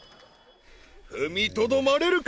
踏みとどまれるか？